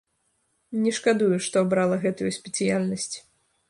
Не шкадую, што абрала гэтую спецыяльнасць.